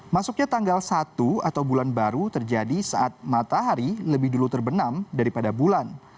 masuknya tanggal satu atau bulan baru terjadi saat matahari lebih dulu terbenam daripada bulan